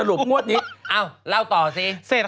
อ้าวเล่าต่อซิ